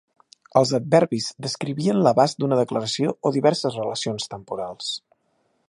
Els adverbis descrivien l'abast d'una declaració o diverses relacions temporals.